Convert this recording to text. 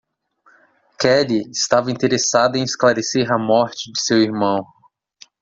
Kelly estava interessada em esclarecer a morte de seu irmão.